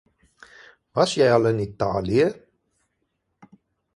Was jy al in Italië?